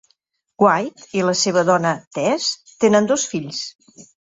White i la seva dona, Tess, tenen dos fills.